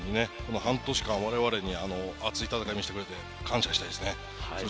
半年間、我々に熱い戦いを見せてくれて感謝したいです。